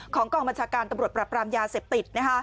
กองบัญชาการตำรวจปรับปรามยาเสพติด